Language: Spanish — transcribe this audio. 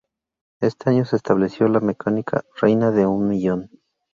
Este año se estableció la mecánica "Reina de Un Millón".